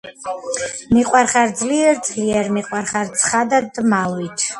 მიყვარხარ ძლიერ ძლიერ, მიყვარხარ ცხადად მალვით